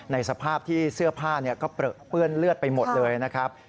สภาพที่เสื้อผ้าก็เปลือเปื้อนเลือดไปหมดเลยนะครับ